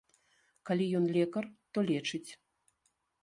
Калі ён лекар, то лечыць.